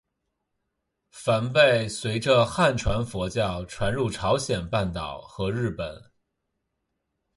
梵呗随着汉传佛教传入朝鲜半岛和日本。